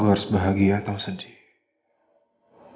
harus bahagia atau sedih